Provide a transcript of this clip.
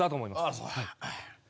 ああそう。